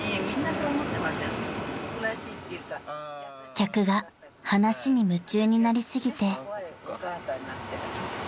［客が話に夢中になりすぎて］